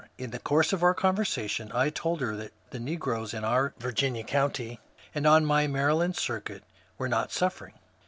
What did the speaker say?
In the course of our conversation I told her that the negroes in our Virginia county, and on my Maryland circuit, were not suffering.